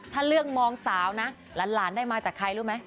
ถ้าเรื่องมองสาวนะหลานได้มาจากใครรู้ไหม